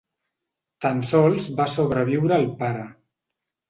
Tan sols va sobreviure el pare.